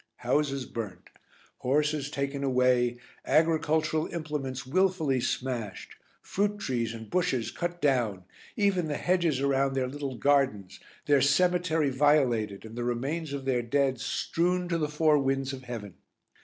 Houses burnt, horses taken away, agricultural implements wilfully smashed, fruit trees and bushes cut down, even the hedges around their little gardens, their cemetery violated and the remains of their dead strewn to the four winds of heaven.